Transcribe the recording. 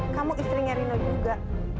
kamu istrinya rino juga